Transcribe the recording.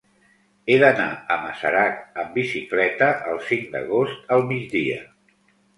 He d'anar a Masarac amb bicicleta el cinc d'agost al migdia.